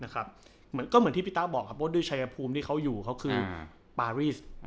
ก็เหมือนที่พี่ต้าบอกครับว่าด้วยชายภูมิที่เขาอยู่เขาคือปารีส